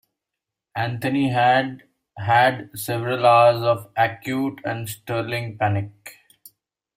Anthony had had several hours of acute and startling panic.